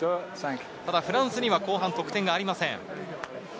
ただフランスには後半、得点がありません。